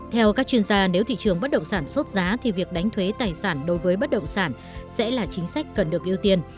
theo các chuyên gia nếu thị trường bất động sản sốt giá thì việc đánh thuế tài sản đối với bất động sản sẽ là chính sách cần được ưu tiên